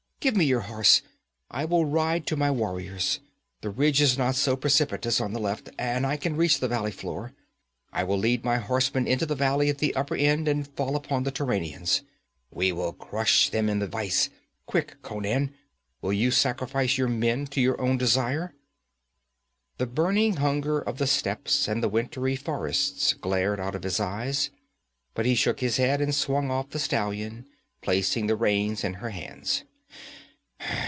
'Give me your horse! I will ride to my warriors! The ridge is not so precipitous on the left, and I can reach the valley floor. I will lead my horsemen into the valley at the upper end and fall upon the Turanians! We will crush them in the vise! Quick, Conan! Will you sacrifice your men to your own desire?' The burning hunger of the steppes and the wintry forests glared out of his eyes, but he shook his head and swung off the stallion, placing the reins in her hands.